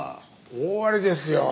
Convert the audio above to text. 大ありですよ。